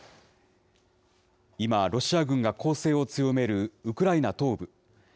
今、ロシア軍が攻勢を強めるウクライナ東部。